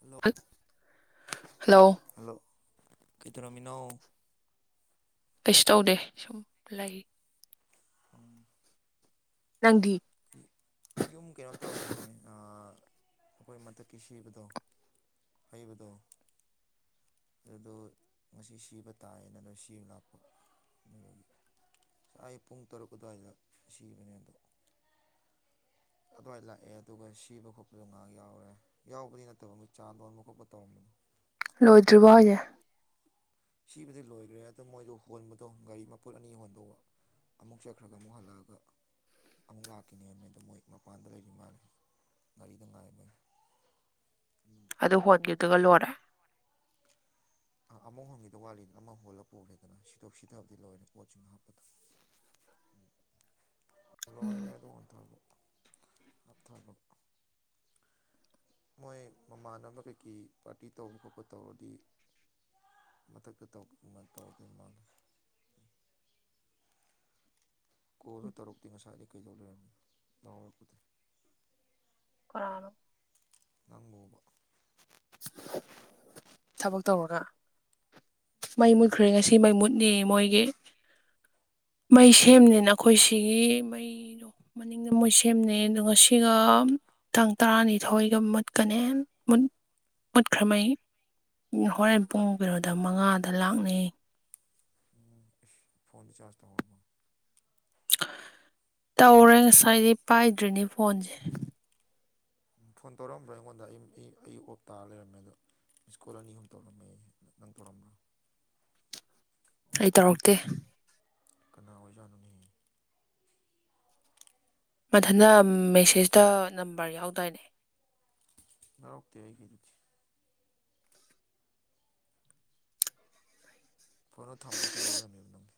hello ꯍꯠ hello ꯀꯩꯗꯧꯔꯝꯃꯤꯅꯣ ꯀꯩꯁꯨ ꯇꯧꯗꯦ ꯁꯨꯝ ꯂꯩꯔꯤ ꯎꯝ ꯅꯪꯗꯤ ꯌꯨꯝ ꯀꯩꯅꯣ ꯇꯧꯔꯝꯕꯅꯦ ꯑꯥ ꯑꯈꯣꯏ ꯃꯊꯛꯀꯤ ꯁꯤꯕꯗꯣ ꯍꯩꯕꯗꯣ ꯑꯗꯨꯗꯣ ꯉꯁꯤ ꯁꯤꯕ ꯇꯥꯏꯌꯦꯅ ꯑꯗꯨ ꯁꯤꯕ ꯂꯥꯛꯄ ꯑꯗꯨꯒꯤ ꯑꯩ ꯄꯨꯡ ꯇꯔꯨꯛ ꯑꯗꯨꯋꯥꯏꯗꯥ ꯁꯤꯕꯅꯦ ꯑꯗꯣ ꯑꯗꯨꯋꯥꯏꯗꯥ ꯂꯥꯛꯑꯦ ꯑꯗꯨꯒꯥ ꯁꯤꯕ ꯈꯣꯠꯄꯗꯣ ꯉꯥꯏꯍꯥꯛ ꯌꯥꯎꯔꯦ ꯌꯥꯎꯕꯗꯤ ꯅꯠꯇꯕ ꯃꯣꯏ ꯆꯥ ꯂꯣꯟꯕ ꯈꯣꯠꯄ ꯇꯧꯔꯝꯕꯅꯤ ꯂꯣꯏꯗ꯭ꯔꯤꯕꯣ ꯍꯥꯏꯖꯦ ꯁꯤꯕꯗꯤ ꯂꯣꯏꯒ꯭ꯔꯦ ꯑꯗꯣ ꯃꯣꯏꯗꯨ ꯍꯣꯟꯕꯗꯣ ꯒꯥꯔꯤ ꯃꯄꯣꯠ ꯑꯅꯤ ꯍꯣꯟꯗꯧꯕ ꯑꯃꯨꯛ ꯆꯠꯈ꯭ꯔꯒꯥ ꯑꯃꯨꯛ ꯍꯜꯂꯛꯑꯒꯥ ꯑꯃꯨꯛ ꯂꯥꯛꯈꯤꯅꯦꯃꯦ ꯑꯗꯣ ꯃꯣꯏ ꯃꯄꯥꯟꯗ ꯂꯩꯔꯤ ꯃꯥꯜꯂꯦ ꯒꯥꯔꯤꯗ ꯉꯥꯏꯔꯤ ꯎꯝ ꯑꯗꯨ ꯍꯣꯟꯒꯤꯗꯨꯒ ꯂꯣꯏꯔꯦ ꯑꯃꯨꯛ ꯍꯣꯟꯒꯤꯗꯧ ꯋꯥꯠꯂꯤꯅꯤ ꯑꯃ ꯍꯣꯜꯂꯒ ꯄꯨꯒ꯭ꯔꯦꯗꯅ ꯁꯤꯊꯣꯛ ꯁꯤꯊꯥꯕꯗꯤ ꯂꯣꯏꯔꯦ ꯄꯣꯠꯁꯨ ꯍꯥꯞꯄꯗꯣ ꯂꯣꯏꯔꯦ ꯑꯗꯣ [unintelligible] ꯍꯥꯞꯊꯥꯕ ꯃꯣꯏ ꯃꯃꯥꯟꯅꯕ ꯀꯩꯀꯩ ꯄꯥꯔꯇꯤ ꯇꯧꯕ ꯈꯣꯠꯄ ꯇꯧꯔꯗꯤ ꯃꯊꯛꯇ ꯇꯧꯕ ꯇꯧꯗ ꯃꯥꯡ ꯀꯣꯜꯁꯨ ꯇꯧꯔꯛꯇꯦ ꯉꯁꯥꯏꯗꯤ ꯀꯩꯗꯧ ꯂꯩꯔꯝꯃꯤ ꯉꯄꯗ ꯀꯔꯅꯣ ꯅꯪꯉꯨꯕ ꯊꯕꯛ ꯇꯧꯔꯒ ꯀꯔꯤ ꯃꯩ ꯊꯕꯛ ꯃꯨꯠꯈ꯭ꯔꯦ ꯇꯧꯔꯤ ꯉꯁꯤ ꯁꯤ ꯃꯩ ꯃꯨꯠꯅꯤ ꯃꯣꯏꯒꯤ ꯃꯩ ꯁꯦꯝꯅꯤꯅ ꯑꯩꯈꯣꯏ ꯁꯤꯒꯤ ꯃꯩꯗꯣ ꯃꯅꯤꯡꯗ ꯃꯣꯏ ꯁꯦꯝꯅꯩ ꯑꯗꯨꯒ ꯁꯤꯒ ꯇꯥꯡ ꯇꯔꯥꯅꯤꯊꯣꯏꯒ ꯃꯨꯠꯀꯅꯦ ꯃꯨꯠꯈ꯭ꯔꯍꯩ ꯍꯣꯔꯦꯟ ꯀ ꯄꯨꯡ ꯀꯩꯅꯣꯗ ꯃꯉꯥꯗ ꯂꯥꯛꯅꯩ ꯎꯝ ꯐꯣꯟ ꯆꯥꯖ ꯇꯧꯃ ꯇꯧꯔꯦ ꯉꯁꯥꯏꯗꯤ ꯄꯥꯏꯗ꯭ꯔꯤꯅꯦ ꯐꯣꯟꯁꯦ ꯐꯣꯟ ꯇꯧꯔꯛꯑꯝꯕ꯭ꯔꯥ ꯑꯩꯉꯣꯟꯗ ꯑꯩ ꯑꯩ ꯑꯣꯞ ꯇꯥꯔ ꯂꯩꯔꯝꯃꯦ ꯑꯗꯣ ꯁ꯭ꯀꯨꯜ ꯑꯅꯤ ꯑꯍꯨꯝ ꯇꯧꯔꯝꯃꯦ ꯅꯪ ꯇꯧꯔꯝꯕ꯭ꯔꯣ ꯑꯩ ꯇꯧꯔꯛꯇꯦ ꯀꯅꯥ ꯑꯣꯏꯖꯠꯅꯣꯅꯤ ꯃꯊꯟ ꯃꯦꯁꯦꯖꯇ ꯅꯝꯕꯔ ꯌꯥꯎꯗꯏꯅꯦ ꯌꯥꯎꯔꯛꯇꯦ ꯑꯩꯒꯤ ꯑꯗꯨꯗꯤ ꯐꯣꯠꯣ ꯊꯝꯕ ꯀꯩꯗꯧ ꯂꯩꯔꯝꯃꯦꯕ ꯅꯪꯗꯤ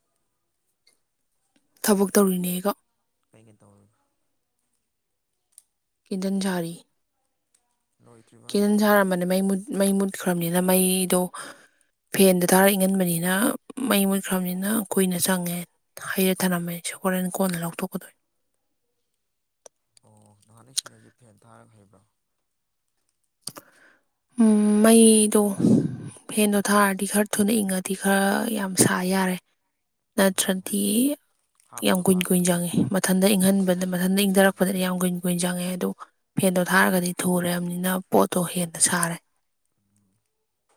ꯊꯕꯛ ꯇꯧꯔꯤꯅꯦꯀꯒ ꯀꯩꯒꯤ ꯇꯧ ꯀꯤꯗꯟꯖꯥꯔꯤ ꯂꯣꯏꯗ꯭ꯔꯤꯕ ꯍꯥꯏꯁꯦ ꯀꯦꯜꯗꯟ ꯁꯥꯔꯝꯕꯅꯤ ꯃꯩ ꯃꯩ ꯃꯨꯠꯈ꯭ꯔꯕꯅꯤꯅ ꯃꯩꯗꯣ ꯐꯦꯟꯗ ꯊꯥꯔ ꯏꯪꯍꯟꯕꯅꯤꯅ ꯃꯩ ꯃꯨꯠꯈ꯭ꯔꯕꯅꯤꯅ ꯀꯨꯏꯅ ꯆꯪꯉꯦ ꯍꯩꯔ ꯊꯔꯝꯃꯦꯅꯤꯁꯦ ꯍꯣꯔꯦꯟ ꯀꯣꯟꯅ ꯂꯧꯊꯣꯛꯀꯗꯣꯏꯅꯤ ꯑꯣ ꯅꯍꯥꯟ ꯁꯤꯅꯁꯤ ꯐꯦꯟ ꯊꯥꯔꯒ ꯍꯩꯕ꯭ꯔꯣ ꯃꯩꯗꯣ ꯐꯦꯟꯗꯣ ꯊꯥꯔꯗꯤ ꯈꯔ ꯊꯨꯅ ꯏꯪꯉꯗꯤ ꯈꯔ ꯌꯥꯝ ꯁꯥ ꯌꯥꯔꯦ ꯑꯣ ꯅꯠꯇ꯭ꯔꯗꯤ ꯍꯣꯏꯅꯦ ꯌꯥꯝ ꯍꯥꯞꯅꯕ ꯀꯨꯏꯟ ꯀꯨꯏꯟ ꯄꯥꯇ꯭ꯔꯗꯣ ꯆꯪꯉꯤ ꯃꯊꯟꯗ ꯏꯪꯍꯟꯕ ꯑꯗ ꯃꯊꯟ ꯎꯝ ꯏꯪꯊꯔꯛꯄꯗꯗꯤ ꯌꯥꯝ ꯀꯨꯏꯟ ꯀꯨꯏꯟ ꯆꯪꯉꯦ ꯑꯗꯨꯗꯣ ꯐꯦꯟꯗꯣ ꯊꯥꯔꯒꯗꯤ ꯊꯨꯔꯕꯅꯤꯅ ꯄꯣꯠ ꯇꯣ ꯍꯦꯟꯅ ꯁꯥꯔꯦ [unintelligible]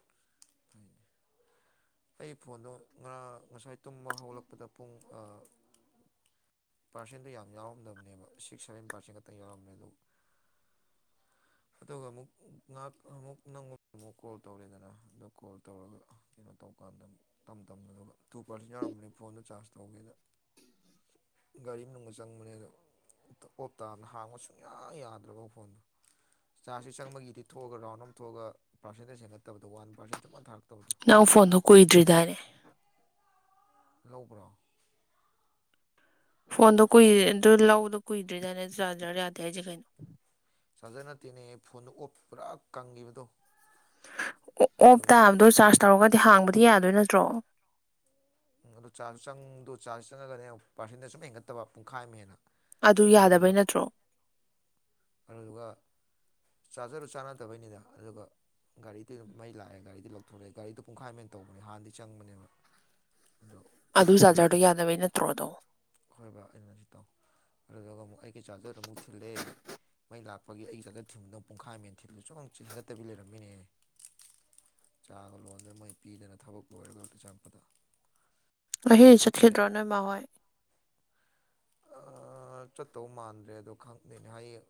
ꯑꯩ ꯐꯣꯟꯗꯣ ꯉꯔ ꯉꯁꯥꯏ ꯇꯨꯝꯕ ꯍꯧꯂꯛꯄꯗ ꯄꯨꯡ ꯄꯥꯔꯁꯦꯟꯗꯣ ꯌꯥꯝ ꯌꯥꯎꯔꯝꯗꯕꯅꯦꯕ ꯁꯤꯛꯁ ꯁꯚꯦꯟ ꯄꯥꯔꯁꯦꯟ ꯈꯛꯇ ꯌꯥꯎꯔꯝꯃꯦ ꯑꯗꯨꯕꯨ ꯑꯗꯨꯒ ꯑꯃꯨꯛ ꯉꯥꯏꯍꯥꯛ ꯑꯃꯨꯛ ꯅꯪꯉꯣꯟꯗ ꯑꯃꯨꯛ ꯀꯣꯜ ꯇꯧꯔꯦꯗꯅ ꯑꯗꯣ ꯀꯣꯜ ꯇꯧꯔꯒ ꯀꯩꯅꯣ ꯇꯧꯀꯥꯟꯗ ꯇꯝ ꯇꯝꯅ ꯑꯗꯨꯒ ꯇꯨ ꯄꯥꯔꯁꯦꯟ ꯌꯥꯎꯔꯝꯕꯅꯤ ꯐꯣꯟꯗ ꯆꯥꯔꯖ ꯇꯧꯒꯦꯗ ꯒꯥꯔꯤ ꯑꯃ ꯅꯅꯨꯡꯒ ꯆꯥꯡ ꯃꯦ ꯑꯗꯣ ꯑꯣꯞꯇꯥꯅ ꯍꯥꯡꯕ ꯁꯨꯡꯌꯥ ꯌꯥꯗ꯭ꯔꯕ ꯐꯣꯟꯗꯣ ꯆꯥꯔꯖꯁꯤ ꯆꯪꯃꯒꯤꯗꯤ ꯊꯣꯛꯑꯒ ꯔꯥꯎꯟ ꯑꯃ ꯊꯣꯛꯑꯒ ꯄꯔꯁꯦꯟꯇꯦꯖ ꯍꯦꯟꯒꯠꯇꯕꯗꯣ ꯋꯥꯟ ꯄꯥꯔꯁꯦꯟ ꯆꯞꯥꯟ ꯊꯥꯔꯛꯇꯕꯗꯣ ꯅꯪ ꯐꯣꯟꯗꯣ ꯀꯨꯏꯗ꯭ꯔꯤꯗꯥꯏꯔꯦ ꯂꯧꯕ꯭ꯔꯣ ꯐꯣꯟꯗꯣ ꯀꯨꯏ ꯑꯗꯨ ꯂꯧꯗꯣ ꯀꯨꯏꯗ꯭ꯔꯤꯗꯥꯏꯅ ꯆꯥꯔꯖ ꯌꯥꯗꯦ ꯍꯥꯏꯁꯦ ꯀꯩꯅꯣ ꯆꯥꯔꯖꯔ ꯅꯠꯇꯦꯅꯦ ꯐꯣꯟꯗꯨ ꯑꯣꯞ ꯄꯨꯔꯥ ꯀꯪꯈꯤꯕꯗꯣ ꯑꯣꯞ ꯑꯗꯨꯗꯨꯒꯤ ꯇꯥꯕꯗꯣ ꯆꯥꯔꯖ ꯇꯧꯔꯒꯗꯤ ꯍꯥꯡꯕꯗꯤ ꯌꯥꯗꯣꯏ ꯅꯠꯇ꯭ꯔꯣ ꯑꯣ ꯆꯥꯔꯖ ꯆꯪꯗꯣ ꯆꯥꯔꯖ ꯆꯪꯉꯒꯅꯦ ꯄꯥꯔꯁꯦꯟꯇꯦꯖ ꯁꯨꯝ ꯍꯦꯟꯒꯠꯇꯕ ꯄꯨꯡꯈꯥꯏ ꯑꯃ ꯍꯦꯟꯅ ꯑꯗꯨ ꯌꯥꯗꯕꯩ ꯑꯗꯨꯗꯨꯒ ꯅꯠꯇ꯭ꯔꯣ ꯑꯗꯨꯗꯨꯒ ꯆꯥꯔꯖꯔꯗꯨ ꯆꯥꯟꯅꯗꯕꯩꯅꯤꯗ ꯑꯗꯨꯒ ꯒꯥꯔꯤꯗꯤ ꯃꯩ ꯂꯥꯛꯑꯦ ꯒꯥꯔꯤꯗꯤ ꯂꯧꯊꯣꯔꯛꯑꯦ ꯒꯥꯔꯤꯣ ꯄꯨꯡꯈꯥꯏꯃꯦꯟ ꯇꯧꯕꯅꯦ ꯍꯥꯟꯗꯤ ꯆꯪꯕꯅꯦꯕ ꯑꯗꯣ ꯑꯗꯨ ꯑꯗꯨꯃꯨꯛ ꯆꯥꯔꯖꯔꯗꯨꯣ ꯌꯥꯗꯕꯩ ꯅꯠꯇ꯭ꯔꯣꯗꯣ ꯍꯣꯏꯕ ꯑꯩꯅ ꯍꯥꯏꯁꯤ ꯇꯥꯎ ꯑꯗꯨꯗꯒ ꯑꯃꯨꯛ ꯑꯩꯒꯤ ꯆꯥꯔꯖꯔꯗ ꯑꯃꯨꯛ ꯊꯤꯜꯂ‌ꯦ ꯃꯩ ꯂꯥꯛꯄꯒꯤ ꯑꯩꯒꯤ ꯆꯥꯖꯔ ꯊꯤꯟꯕꯗꯨ ꯄꯨꯡꯈꯥꯏꯃꯍ‌ꯦꯟ ꯊꯤꯟꯂꯨꯆ‌ꯣꯅ ꯍꯦꯟꯒꯠꯇꯕꯤ ꯂꯩꯔꯝꯃ‌ꯦꯅꯦꯍ‌ꯦ ꯆꯥꯒ ꯂꯣꯟꯗꯅ ꯃ‌ꯣꯏ ꯄꯤꯗꯅ ꯊꯕꯛ ꯂꯣꯏꯔꯒ ꯆꯪꯉꯛꯄꯗ‌ꯣ ꯉꯁꯤꯗꯤ ꯆꯠꯈꯤꯗ꯭ꯔ‌ꯣ ꯅ‌ꯣꯏꯃꯥ ꯍ‌ꯣꯏ ꯑ ꯆꯠꯇꯧ ꯃꯥꯟꯗ꯭ꯔꯦ ꯑꯗꯣ ꯈꯪꯗ‌ꯦꯅꯦ ꯍꯌꯦꯡ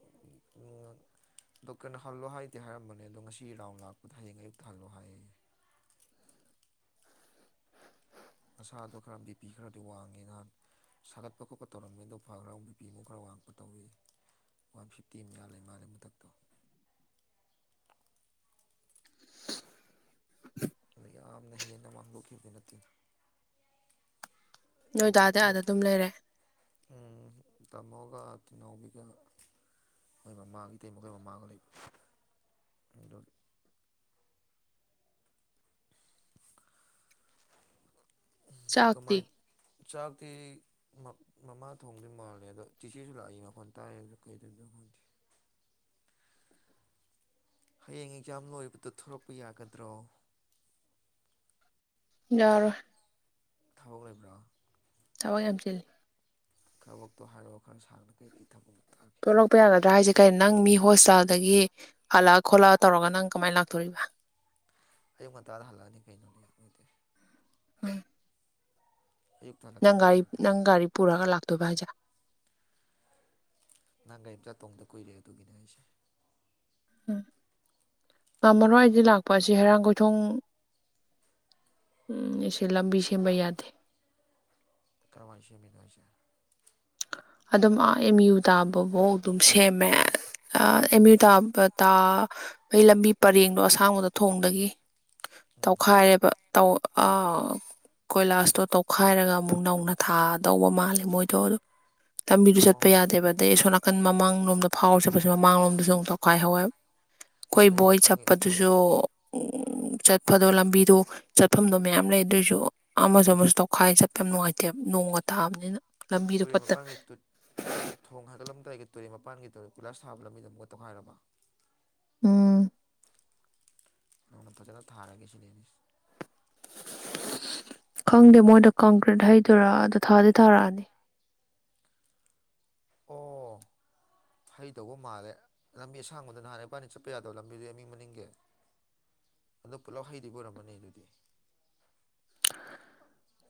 ꯗꯣꯛꯇꯔꯅ ꯍꯜꯂꯣ ꯍꯥꯏꯗꯤ ꯍꯥꯏꯔꯝꯕꯅꯦ ꯑꯗꯣ ꯉꯁꯤ ꯔꯥꯎꯟ ꯂꯥꯛꯄꯗ ꯍꯌꯦꯡ ꯑꯌꯨꯛꯇ ꯍꯜꯂꯣ ꯍꯥꯏꯌꯦ ꯅꯁꯥꯗꯣ ꯈꯔ ꯕꯤꯄꯤ ꯈꯔꯗꯤ ꯋꯥꯡꯉꯤ ꯅꯍꯥꯟ ꯁꯥꯒꯠꯄ ꯈꯣꯠꯄ ꯇꯧꯔꯝꯃ‌ꯦ ꯑꯗꯨꯒ ꯐꯥꯈ꯭ꯔ‌ ꯃꯨꯛ ꯕꯤꯄꯤ ꯃꯨꯛ ꯈꯔ ꯋꯥꯡꯄ ꯇꯧꯏ ꯋꯥꯟ ꯐꯤꯞꯇꯤ ꯃꯌꯥ ꯂꯩ ꯃꯥꯜꯂꯦ ꯃꯊꯛꯇꯣ [inaudible] ꯑꯗꯣ ꯌꯥꯝꯅ ꯍꯦꯟꯅ ꯃꯥꯡꯗꯣꯛꯈꯤꯕ ꯅꯠꯇꯦ ꯅꯣꯏ ꯗꯥꯗꯤ ꯑꯥꯗ ꯑꯗꯨꯝ ꯂꯩꯔꯦ ꯎꯝ ꯇꯥꯃꯣꯒ ꯇꯤꯅꯥꯎꯕꯤꯒ ꯃ‌ꯣꯏ ꯃꯃꯥꯒ ꯏꯇꯩꯃꯒ ꯈ‌ꯣꯏꯃꯃꯥꯒ ꯂꯩꯕ ꯑꯗꯨꯒꯤ ꯎꯝ ꯆꯥꯛꯇꯤ ꯀꯃꯥꯏ ꯆꯥꯛꯇꯤ ꯃꯃꯥ ꯊꯣꯡꯗꯨ ꯃꯥꯜꯂꯦ ꯑꯗꯣ ꯆꯤꯆꯦꯁꯨ ꯂꯥꯛꯏ ꯃꯈꯣꯟ ꯇꯥꯔꯦ ꯑꯗꯣ ꯀꯩ ꯊ‌ꯣꯡꯗ‌ꯣꯏꯅ‌ꯣ ꯈꯪꯗ‌ꯦ ꯍꯌꯦꯡ ꯑꯦꯛꯖꯥꯝ ꯂꯣꯏꯕꯗ‌ꯣ ꯊꯣꯛꯂꯛꯄ ꯌꯥꯒꯗ꯭ꯔꯣ ꯌꯥꯔꯣꯏ ꯊꯕꯛ ꯂꯩꯕ꯭ꯔꯣ ꯊꯕꯛ ꯌꯥꯝ ꯆꯤꯜꯂꯤ ꯈꯕꯛꯇꯣ ꯍꯥꯏꯔꯛꯐꯣ ꯈꯔ ꯁꯥꯡꯅ ꯀꯩꯀꯩ ꯊꯕꯛꯅ‌ꯣ ꯊꯣꯛꯂꯛꯄ ꯌꯥꯒꯗ꯭ꯔꯥ ꯍꯥꯏꯁꯦ ꯀꯩꯅ ꯅꯪ ꯃꯤ ꯍꯣꯁꯄꯤꯇꯥꯜꯗꯒꯤ ꯍꯜꯂꯛꯑ ꯈꯣꯠꯂꯒ ꯇꯧꯔꯒ ꯅꯪ ꯀꯃꯥꯏꯅ ꯂꯥꯛꯇꯣꯔꯤꯕ ꯑꯩꯌꯨꯛ ꯉꯟꯇꯥꯗ ꯍꯥꯂꯛꯅꯤ ꯀꯩꯅꯣꯅ‌ꯦ ꯑꯗꯨꯗꯤ ꯎꯝ ꯑꯌꯨꯛꯇ ꯅꯪ ꯍꯜꯂꯛꯀꯅꯤ ꯒꯥꯔꯤ ꯍꯥꯏꯕꯅꯦ ꯅꯪ ꯒꯥꯔꯤ ꯄꯨꯔꯒ ꯂꯥꯛꯇꯣꯏꯕ ꯍꯥꯏꯁꯦ ꯅꯪ ꯒꯥꯔꯤꯃꯆꯥ ꯇꯣꯡꯗ ꯀꯨꯏꯔꯦ ꯑꯗꯨꯒꯤꯅꯦ ꯍꯥꯏꯁꯦ ꯎꯝ ꯉꯝꯃꯔꯣꯏ ꯑꯩꯗꯤ ꯂꯥꯛꯄ ꯑꯁꯤ ꯍꯩꯔꯥꯡꯒ‌ꯣꯏꯊꯣꯡ ꯎꯝ ꯑꯁꯤ ꯂꯝꯕꯤ ꯁꯦꯝꯕꯩ ꯌꯥꯗꯦ ꯀꯔꯥꯏꯋꯥꯏ ꯁ‌ꯦꯝꯃꯤꯅ‌ꯣ ꯍꯥꯏꯁꯦ ꯑꯗꯨꯝ ꯑꯥ ꯑꯦꯝ ꯌꯨ ꯇꯥꯕꯕꯧ ꯑꯗꯨꯝ ꯁꯦꯝꯃꯦ ꯑꯥ ꯑꯦꯝ ꯌꯨ ꯇꯥꯕꯇ‌ꯥ ꯍ‌ꯣꯏ ꯂꯝꯕꯤ ꯄꯔꯦꯡꯗꯣ ꯑꯁꯥꯡꯕꯗ‌ꯣ ꯊꯣꯡꯗꯒꯤ ꯎꯝ ꯇꯧꯈꯥꯏꯌꯦꯕ ꯇꯧ ꯑꯥ ꯀꯣꯏꯂꯥꯁꯇꯣ ꯇꯧꯈꯥꯏꯔꯒ ꯑꯃꯨꯛ ꯅꯧꯅ ꯊꯥꯗꯧꯕ ꯃꯥꯜꯂꯦ ꯃꯣꯏꯗꯣ ꯑꯗꯨ ꯂꯝꯕꯤꯗꯨ ꯑꯣ ꯆꯠꯄ ꯌꯥꯗꯦꯕ ꯑꯗꯩ ꯑꯁꯣꯝ ꯅꯥꯀꯟ ꯃꯃꯥꯡꯂꯣꯝꯗ ꯐꯥꯎꯔꯒ ꯆꯠꯄꯁꯨ ꯃꯃꯥꯡꯂꯣꯝꯗꯁꯨ ꯑꯃꯨꯛ ꯇꯧꯈꯥꯏꯍꯧꯋꯦꯕ ꯇꯨꯔꯦꯜ ꯈ‌ꯣꯏꯕꯣꯏ ꯃꯄꯥꯟꯒꯤ ꯆꯠꯄꯗꯨꯁꯨ [inaudible] ꯆꯠꯄꯗꯣ ꯂꯝꯕꯤꯗꯣ ꯆꯠꯐꯝꯗꯣ ꯃꯌꯥꯝ ꯂꯩ ꯑꯗꯨꯏꯁꯨ ꯑꯃꯁꯨ ꯑꯃꯁꯨ ꯇꯧꯈꯥꯏ ꯆꯠꯄ ꯌꯥꯝ ꯅꯨꯡꯉꯥꯏꯇꯦ ꯅꯣꯡꯒ ꯇꯥꯕꯅꯤꯅ ꯂꯝꯕꯤꯗꯣ ꯇꯨꯔꯦꯜ ꯐꯠꯇ ꯃꯄꯥꯟꯒꯤ ꯇꯨꯠ ꯊꯣꯡ ꯍꯥꯏꯒꯠꯂꯝꯗꯥꯏꯒꯤ ꯇꯨꯔꯦꯜ ꯃꯄꯥꯟꯒꯤꯗ‌ꯣ ꯀ‌ꯣꯏꯂꯥꯁ ꯊꯥꯕ ꯂꯝꯕꯤꯗ‌ꯣ ꯑꯃꯨꯛ ꯇꯧꯈꯥꯏꯔꯕ‌ꯣ ꯎꯝ ꯅꯧꯅ ꯐꯖꯅ ꯊꯥꯔꯒꯦ ꯁꯤꯅꯤꯅ‌ꯦ ꯈꯪꯗꯦ ꯃꯣꯏꯗ‌ꯣ ꯀꯪꯀ꯭ꯔꯤꯠ ꯍꯩꯗꯣꯏꯔꯥ ꯑꯗꯨ ꯊꯥꯗꯤ ꯊꯥꯔꯛꯑꯅꯤ ꯑꯣ ꯍꯩꯇꯧꯕ ꯃꯥꯜꯂꯦ ꯂꯝꯕꯤ ꯑꯁꯥꯡꯕꯗ‌ꯣ ꯅꯍꯥꯟ ꯏꯕꯥꯅꯤ ꯆꯠꯄ ꯌꯥꯗꯕ ꯂꯝꯕꯤꯗꯨ ꯑꯦꯝ ꯌꯨ ꯃꯅꯤꯡꯒꯤ ꯑꯗꯣ ꯄꯨꯜꯂꯞ ꯍꯩꯗꯨꯕꯨ ꯑꯣꯏꯔꯝꯃꯅꯤ ꯑꯗꯨꯗꯤ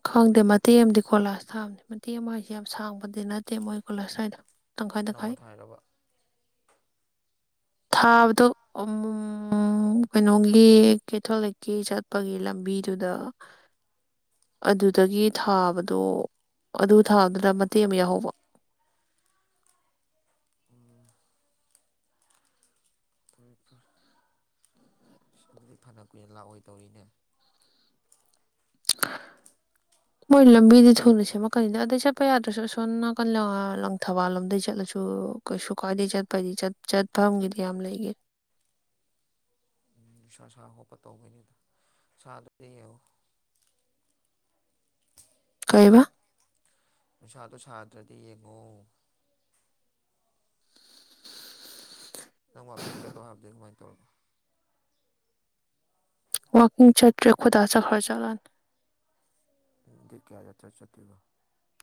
ꯈꯪꯗꯦ ꯃꯇꯦꯛ ꯑꯃꯗꯤ ꯀꯣꯂꯥꯁ ꯊꯥꯕꯅꯤ ꯃꯇꯦꯛ ꯑꯃ ꯍꯥꯏꯁꯦ ꯌꯥꯝ ꯁꯥꯡꯕꯗꯤ ꯅꯠꯇꯦ ꯃꯣꯏ ꯀꯣꯂꯥꯁ ꯊꯥꯏꯗ‌ꯣ ꯅꯧꯅ ꯊꯥꯏꯔꯕ ꯊꯥꯕꯗꯨ ꯀꯩꯅꯣꯒꯤ ꯀꯦꯊꯣꯂꯤꯛꯀꯤ ꯆꯠꯄꯒꯤ ꯂꯝꯕꯤꯗꯨꯗ ꯑꯗꯨꯗꯒꯤ ꯊꯥꯕꯗꯣ ꯑꯗꯨ ꯊꯥꯕꯗꯨꯗ ꯃꯇꯦꯛ ꯑꯃ ꯌꯥꯎꯍꯧꯕ ꯎꯝ ꯐꯔꯦ ꯐꯔꯦ ꯑꯁ ꯑꯗꯨꯗꯤ ꯐꯅ ꯀꯨꯏꯅ ꯂꯥꯛꯑꯣꯏꯗꯧꯔꯤꯅꯦ [inaudible] ꯃꯣꯏ ꯂꯝꯕꯤꯗꯨ ꯊꯨꯅ ꯁꯦꯝꯃꯛꯀꯅꯤꯗ ꯑꯗꯩ ꯆꯠꯄ ꯌꯥꯗ꯭ꯔꯁꯨ ꯑꯁꯣꯝꯅ ꯅꯀꯟ ꯂꯪ- ꯊꯕꯥꯜ ꯂꯣꯝꯗꯩ ꯆꯠꯂꯁꯨ ꯀꯩꯁꯨ ꯀꯥꯏꯗꯦ ꯆꯠ ꯆꯠꯐꯝꯒꯤꯗꯤ ꯌꯥꯝ ꯂꯩꯒꯦ ꯁꯥꯥ ꯁꯥ ꯈꯣꯠꯄ ꯇꯧꯕꯩꯅꯤꯗ ꯁꯥꯗꯨꯗꯤ ꯌꯦꯡꯉꯣ ꯀꯩꯌꯥꯕ ꯅꯨꯡꯁꯥꯗꯣ ꯁꯥꯗ꯭ꯔꯗꯤ ꯌꯦꯡꯉꯣ ꯅꯪ ꯋꯥꯛꯀꯤꯡ ꯆꯠꯂꯣ ꯍꯥꯏꯕꯗꯤ ꯀꯃꯥꯏꯅ ꯇꯧꯔꯕ ꯋꯥꯀꯤꯡ ꯆꯠꯇ꯭ꯔꯦ ꯈꯨꯗꯥ ꯆꯠꯈ꯭ꯔ ꯆꯠꯂꯅꯤ ꯎꯝ ꯗꯦꯠ ꯀꯌꯥ [unintelligible] ꯆꯠꯇꯣꯏꯕꯥ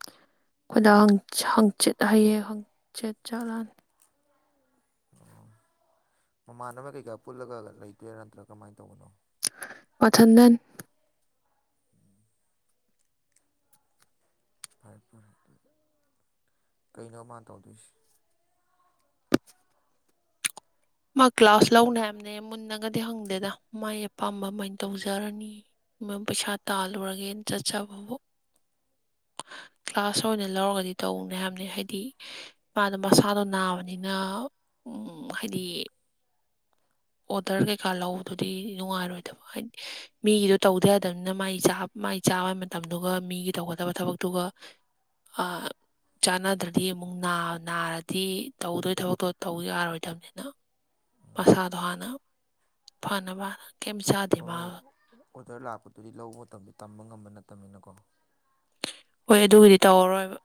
ꯑꯩꯈꯣꯏ ꯗꯥ ꯍꯪꯆꯥ ꯍꯪꯆꯤꯠ ꯍꯩꯌꯦꯡ ꯍꯥꯡꯆꯤꯠ ꯆꯠꯂꯥꯟ ꯑꯣ ꯃꯃꯥꯟꯅꯕ ꯀꯩꯀꯥ ꯄꯨꯜꯂꯒ ꯂꯩꯗꯨꯏꯔꯥ ꯅꯠꯇ꯭ꯔꯥ ꯀꯃꯥꯏꯅ ꯇꯧꯕꯅꯣ ꯃꯊꯟꯗꯟ ꯎꯝ ꯐꯔꯦ ꯐꯔꯦ ꯑꯗꯨꯗ ꯀꯩꯅꯣ ꯃꯥꯅ ꯇꯧꯗꯣꯏꯁꯤ ꯃꯥ ꯀ꯭ꯂꯥꯁ ꯂꯧꯅꯤ ꯍꯥꯏꯕꯅꯦ ꯃꯨꯟꯅꯒꯗꯤ ꯍꯪꯗꯦꯗ ꯃꯥꯥꯏ ꯑꯄꯥꯝꯕ ꯃꯥꯏꯟ ꯇꯧꯖꯔꯅꯤ ꯄꯩꯁꯥ ꯇꯥꯜꯂꯨꯔꯒꯦꯅ ꯆꯠꯆꯕꯕꯨ [inaudible] ꯀ꯭ꯂꯥꯁ ꯑꯣꯏꯅ ꯂꯧꯔꯒꯗꯤ ꯇꯧꯅꯤ ꯍꯥꯏꯕꯅꯦ ꯍꯥꯏꯗꯤ ꯄꯥꯗꯣ ꯃꯁꯥꯗꯣ ꯅꯥꯕꯅꯤꯅ ꯍꯥꯏꯗꯤ ꯑꯣꯗꯔ ꯀꯩꯀꯥ ꯂꯗꯨꯗꯤ ꯅꯨꯡꯉꯥꯏꯔꯣꯏꯗꯕ ꯍꯥꯏꯗꯤ ꯃꯤꯒꯤꯗꯣ ꯇꯧꯗ ꯌꯥꯗꯕꯅꯤꯅ ꯃꯥꯏ ꯃꯥꯏ ꯆꯥꯕ ꯃꯇꯝꯗꯨꯒ ꯃꯤꯒꯤ ꯇꯧꯒꯗꯕ ꯊꯕꯛꯇꯨꯒ ꯑꯥ ꯆꯥꯟꯅꯗ꯭ꯔꯗꯤ ꯑꯃꯨꯛ ꯅꯥꯔꯗꯤ ꯇꯧꯗꯣꯏ ꯊꯕꯛꯇꯣ ꯇꯧ ꯌꯥꯔꯣꯏꯗꯕꯅꯤꯅ ꯃꯁꯥ ꯐꯅ ꯐꯅ ꯐꯥꯟꯅ ꯍꯣꯏꯣꯏ ꯑꯣꯗꯔ ꯂꯥꯛꯄꯗꯨꯗꯤ ꯂꯧꯕ ꯃꯇꯝꯗ ꯇꯝꯕ ꯉꯝꯕ ꯅꯠꯇꯕꯅꯤꯅꯀꯣ ꯍꯣꯏ ꯑꯗꯨꯕꯨꯗꯤ ꯇꯧꯔꯔꯣꯏꯕ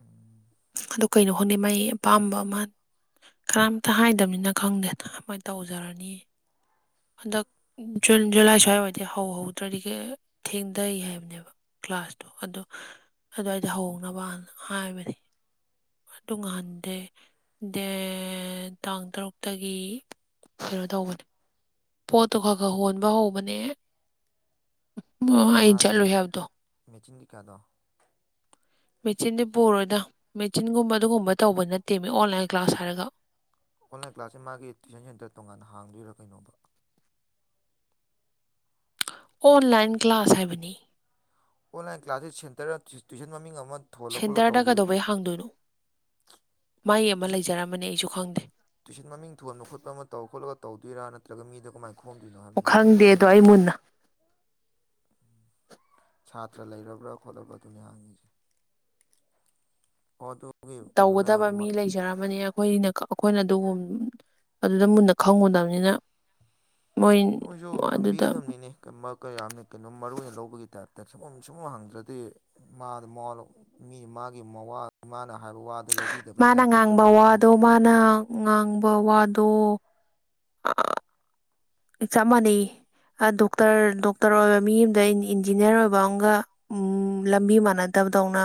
ꯎꯝ ꯑꯣ ꯀꯩꯅꯣ ꯍꯣꯠꯅꯩ ꯃꯥꯥꯏ ꯑꯄꯥꯝꯕ ꯑꯃ ꯀꯔꯝꯇ ꯍꯥꯏꯗꯕꯅꯤꯅ ꯈꯪꯗꯦ ꯀꯔꯃꯥꯏꯅ ꯇꯧꯖꯔꯅꯤ ꯑꯗꯣꯨꯟ ꯨꯂꯥꯏ ꯆ ꯋꯥꯦ ꯍ ꯍ ꯇꯔꯤꯒ ꯊꯦꯡꯊꯩ ꯍꯥꯏꯕꯅꯦꯕ ꯀ꯭ꯂꯥꯁꯇꯣ ꯑꯗꯣ ꯑꯗꯨꯋꯥꯏꯗ ꯍꯧꯅꯕꯅ ꯍꯥꯏꯕꯅꯤ ꯑꯗꯨ ꯉꯥꯟꯗꯦ ꯗꯦ ꯇꯥꯡ ꯇꯔꯨꯛꯇꯒꯤ ꯀꯩꯅꯣ ꯇꯧꯕꯅꯦ ꯄꯣꯠꯇꯨ ꯈꯔ ꯈꯔ ꯍꯣꯟꯕ ꯍꯧꯕꯅꯦ ꯑꯩꯅ ꯃꯥꯒꯤ ꯆꯠꯂꯨꯏ ꯍꯥꯏꯕꯗꯣ ꯃꯦꯆꯤꯡ ꯀꯩꯀꯥꯗꯣ ꯃꯦꯆꯤꯟꯗꯤ ꯄꯨꯔꯣꯏꯗ ꯃꯦꯆꯤꯟꯒꯨꯝꯕ ꯑꯗꯨꯒꯨꯝꯕ ꯇꯧꯕ ꯅꯠꯇꯦꯃꯤ ꯑꯣꯟꯂꯥꯏꯟ ꯀ꯭ꯂꯥꯁ ꯍꯥꯏꯔꯒ ꯑꯣꯟꯂꯥꯏꯟ ꯀ꯭ꯂꯥꯁꯁꯦ ꯃꯥꯒꯤ ꯇ꯭ꯋꯏꯁꯟ ꯁꯦꯟꯇꯔ ꯇꯣꯉꯥꯟꯅ ꯍꯥꯡꯗꯣꯏꯔꯥ ꯀꯩꯅꯣꯕ ꯑꯣꯟꯂꯥꯏꯟ ꯀ꯭ꯂꯥꯁ ꯍꯥꯏꯕꯅꯤ ꯑꯣꯟꯂꯥꯏꯟ ꯀ꯭ꯂꯥꯁꯦꯁ ꯁꯦꯟꯇꯔꯗ ꯇ꯭ꯋꯤꯁꯟ ꯃꯃꯤꯡ ꯑꯃ ꯊꯣꯜꯂ ꯈꯣꯠꯂ ꯁꯦꯟꯇꯔꯗ ꯇꯧꯕꯤꯗꯨ ꯀꯩꯗꯧꯕꯩ ꯍꯥꯡꯗꯣꯏꯅꯣ ꯃꯥꯏ ꯑꯃ ꯇꯨꯏꯁꯟ ꯂꯩꯖꯔꯝꯕꯅꯦ ꯑꯩꯁꯨ ꯈꯪꯗꯦ ꯇꯨꯏꯁꯟ ꯃꯃꯤꯡ ꯊꯣꯟꯕ ꯈꯣꯠꯄ ꯑꯃ ꯇꯧ ꯈꯣꯠꯂꯒ ꯇꯧꯗꯣꯏꯔꯥ ꯅ꯭ꯔ ꯃꯤꯗ ꯀꯃꯥꯏꯅ ꯈꯅꯣ ꯍꯥꯏ ꯅ ꯑꯣ ꯈꯪꯗꯦ ꯑꯣꯟꯂꯥꯏꯟ ꯑꯗꯣ ꯑꯩ ꯃꯨꯟꯅ ꯁꯥꯇ꯭ꯔ ꯂꯩꯔꯕ꯭ꯔꯥ ꯈꯣꯠꯂꯕ꯭ꯔꯥꯗꯨꯅꯦ ꯍꯥꯡꯉꯤꯁꯦ ꯍ ꯑꯗꯨ ꯇꯧꯒꯗꯕ ꯃꯤ ꯂꯩꯖꯔꯝꯕꯅꯦ ꯑꯩꯈꯣꯏꯅ ꯑꯩꯈꯣꯏꯅ ꯑꯗꯨꯒꯨꯝ ꯑꯗꯨꯗ ꯃꯨꯟꯅ ꯈꯪꯉꯨꯗꯕꯅꯤꯅ ꯃꯣꯏ ꯅꯣꯏꯁꯨ ꯑꯗꯨꯗ ꯍꯪꯕꯤꯒꯗꯕꯅꯤꯅꯦ ꯀ ꯀ ꯌꯥꯝꯅ ꯀꯩꯅꯣ ꯃꯔꯨ ꯑꯣꯏꯅ ꯂꯧꯕꯒꯤ ꯇꯥꯏꯞꯇ ꯁꯒꯝ ꯁꯒꯨꯝꯝ ꯍꯥꯡꯗ꯭ꯔꯗꯤ ꯃꯥꯗ ꯃ ꯃꯤ ꯃꯥꯒꯤ ꯃꯋꯥ ꯃꯥꯅ ꯍꯥꯏꯕ ꯋꯥꯗꯨ ꯂꯧꯕꯤ ꯃꯥꯅ ꯉꯥꯡꯕ ꯋꯥꯗꯣ ꯃꯥꯅ ꯉꯥꯡꯕ ꯋꯥꯗꯣ ꯑ ꯆꯞ ꯃꯥꯟꯅꯩ ꯑ ꯗꯣꯛꯇꯔ ꯗꯣꯛꯇꯔ ꯑꯣꯏꯕ ꯃꯤ ꯑꯝꯗ ꯏꯟꯖꯤꯅꯤꯌꯔ ꯑꯣꯏꯕ ꯑꯝꯒ ꯎꯝ ꯂꯝꯕꯤ ꯃꯥꯟꯅꯗꯕꯗꯧꯅ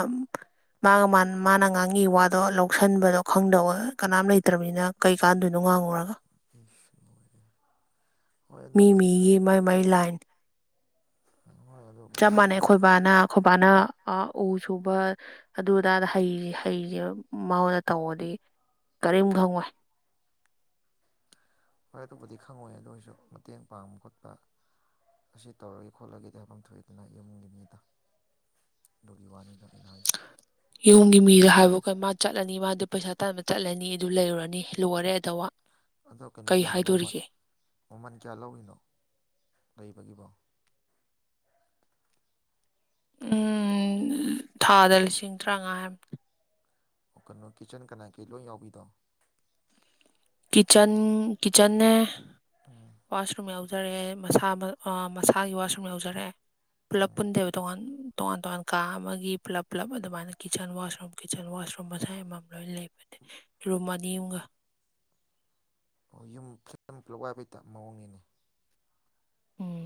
ꯃꯥꯒ ꯃꯥꯅ ꯃꯥꯅ ꯉꯥꯡꯉꯤ ꯋꯥꯗꯣ ꯂꯧꯁꯤꯟꯕꯗꯣ ꯈꯪꯗꯧꯋꯦ ꯀꯅꯥꯝ ꯂꯩꯇ꯭ꯔꯝꯅꯤꯅ ꯀꯩꯀꯥꯟꯗꯣꯏꯅꯣ ꯉꯥꯡꯉꯨꯔꯒ ꯏꯁ ꯂꯣꯏꯔꯦ ꯃꯤ ꯃꯤꯒꯤ ꯃꯥꯏ ꯃꯥꯏ ꯂꯥꯏꯟ ꯑ ꯍꯣꯏ ꯑꯗꯨ ꯆꯞ ꯃꯥꯟꯅꯩ ꯑꯩꯈꯣꯏ ꯕꯥꯅ ꯑꯩꯈꯣꯏ ꯕꯥꯅ ꯑ ꯎ ꯁꯨꯕ ꯑꯗꯨ ꯑꯗꯥꯗ ꯍꯩ ꯍꯩꯔꯦꯕ ꯃꯥꯉꯣꯟꯗ ꯇꯧꯕꯗꯤ ꯀꯔꯤꯝ ꯈꯪꯉꯣꯏ ꯍꯣꯏ ꯑꯗꯨꯕꯨꯗꯤ ꯈꯪꯉꯣꯏ ꯑꯗꯣꯏꯁꯨ ꯃꯇꯦꯡ ꯄꯥꯡꯕ ꯈꯣꯠꯄ ꯑꯁꯤ ꯇꯧꯔꯒꯦ ꯈꯣꯠꯂꯒꯦꯗꯤ ꯍꯥꯏꯐꯝ ꯊꯣꯛꯏꯗꯅ ꯌꯨꯝꯒꯤ ꯃꯤꯗ ꯑꯗꯨꯒꯤ ꯋꯥꯅꯤꯗ ꯑꯩꯅ ꯍꯥꯏꯁꯤ ꯌꯨꯝꯒꯤ ꯃꯤꯗꯨ ꯍꯥꯏꯕ ꯑꯩꯈꯣꯏ ꯃꯥ ꯆꯠꯂꯅꯤ ꯃꯥꯗꯨ ꯄꯩꯁꯥ ꯇꯥꯟꯕ ꯆꯠꯂꯅꯤ ꯑꯗꯨ ꯂꯩꯔꯨꯔꯅꯤ ꯂꯣꯏꯔꯦ ꯑꯗꯋꯥ ꯑꯗꯣ ꯀꯩꯅꯣ ꯀꯩ ꯀꯌꯥ ꯂ ꯃꯃꯜ ꯍꯥꯏꯗꯣꯔꯤꯒꯦ ꯃꯃꯜ ꯀꯌꯥ ꯂꯧꯔꯤꯅꯣ ꯂꯩꯕꯒꯤꯕꯣ ꯎꯝ ꯊꯥꯗ ꯂꯤꯁꯤꯡ ꯇꯔꯥꯉꯥ ꯍꯥꯏ ꯑꯣ ꯀꯩꯅꯣ ꯀꯤꯠꯆꯟ ꯀꯅꯥ ꯀꯩ ꯂꯣꯏ ꯌꯥꯎꯕꯤꯗꯣ ꯀꯤꯆꯟ ꯀꯤꯆꯟꯅꯦ ꯍꯥ ꯋꯥꯁꯔꯨꯝ ꯌꯥꯎꯖꯔꯦ ꯃꯁꯥ ꯑ ꯃꯁꯥꯒꯤ ꯋꯥꯁꯔꯨꯝ ꯌꯥꯎꯖꯔꯛꯑꯦ ꯄꯨꯂꯞ ꯎꯝ ꯄꯨꯟꯗꯦꯕ ꯇꯣꯉꯥꯟ ꯇꯣꯉꯥꯟ ꯇꯣꯉꯥꯟ ꯀꯥ ꯑꯃꯒꯤ ꯄꯨꯜꯂꯞ ꯄꯨꯂꯞ ꯑꯗꯨꯃꯥꯏꯅ ꯀꯤꯠꯆꯟ ꯋꯥꯁꯔꯨꯝ ꯀꯤꯠꯆꯟ ꯋꯥꯁꯔꯨꯝ ꯃꯁꯥꯏ ꯑꯃꯃꯝ ꯂꯣꯏꯅ ꯂꯩꯕ ꯔꯨꯝ ꯑꯅꯤꯑꯝꯒ ꯑꯣ ꯌꯨꯝ [unintelligible] ꯄꯨꯂꯞ ꯋꯥꯏꯕꯩ ꯇꯥꯏꯞ ꯃꯑꯣꯡꯅꯤꯅꯦ ꯎꯝ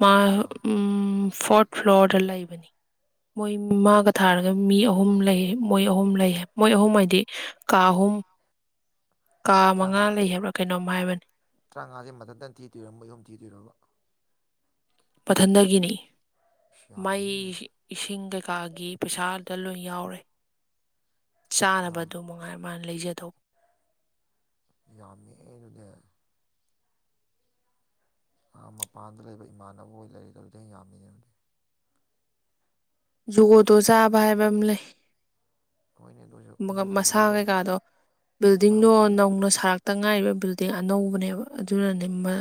ꯃꯥ ꯌꯥꯝ ꯎꯝ ꯐꯣꯔꯠ ꯐ꯭ꯂꯣꯔꯗ ꯂꯩꯕꯅꯤ ꯃꯣꯏ ꯃꯥꯒ ꯊꯥꯔꯒ ꯃꯤ ꯑꯍꯨꯝ ꯂꯩꯌꯦ ꯃꯣꯏ ꯑꯍꯨꯝ ꯂꯩ ꯃꯣꯏ ꯑꯍꯨꯝ ꯍꯥꯏꯗꯤ ꯀꯥ ꯑꯍꯨꯝ ꯀꯥ ꯃꯉꯥ ꯇꯔꯥꯃꯉꯥ ꯂꯩ ꯍꯥꯏꯕ꯭ꯔꯥ ꯀꯩꯅꯣꯝ ꯍꯥꯏꯕꯅꯤ ꯇꯔꯥꯃꯉꯥꯁꯦ ꯃꯊꯟꯇꯪ ꯊꯤꯗꯣꯏꯔ ꯃꯣꯏ ꯑꯍꯨꯝ ꯊꯤꯗꯣꯏꯔꯕ ꯃꯊꯟꯗꯒꯤꯅꯤ ꯑꯁ ꯃꯥꯏ ꯌꯥꯝꯃꯤꯍꯦ ꯏꯁꯤꯡ ꯀꯩꯀꯥ ꯒꯤ ꯄꯩꯁꯥ ꯑꯗꯨꯗ ꯂꯣꯏ ꯌꯥꯎꯔꯦ ꯑꯁ ꯌꯥꯝ ꯆꯥꯅꯕꯗꯨꯃꯉꯥꯏꯔꯦ ꯃꯥꯅ ꯂꯩꯖꯗꯧꯕ ꯌꯥꯝꯃꯤꯍꯦ ꯑꯗꯨꯗꯤ ꯑꯥ ꯃꯄꯥꯟꯗ ꯂꯩꯕ ꯏꯃꯥꯟꯅꯕ ꯍꯣꯏ ꯂꯩꯔꯤꯗꯨꯗꯩ ꯍꯦꯟꯅ ꯌꯥꯝꯃꯤꯅꯦ ꯑꯗꯨꯒꯤ ꯖꯨꯒꯣꯠꯇꯣ ꯆꯥꯕ ꯍꯥꯏꯕ ꯑꯃ ꯂꯩ ꯍꯣꯏꯅꯦ ꯑꯗꯨ ꯑꯣꯏꯁꯨ ꯃꯒ ꯃꯣꯏꯁꯨ ꯃꯁꯥ ꯕꯥꯠꯔꯨꯝ ꯀꯩꯀꯥꯗꯣ ꯕꯥꯠꯔꯨꯝ ꯕꯤꯜꯗꯤꯡꯗꯣ ꯇꯣꯏꯂꯦꯠ ꯅꯧꯅ ꯁꯥꯔꯛ ꯇꯥ ꯉꯥꯏꯔꯤꯕ ꯕꯤꯜꯗꯤꯡ ꯑꯅꯧꯕꯅꯦꯕ ꯑꯗꯨꯅꯅꯦ ꯃꯥ